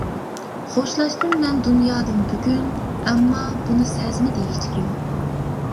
خوشلاشتىم مەن دۇنيادىن بۈگۈن، ئەمما، بۇنى سەزمىدى ھېچكىم.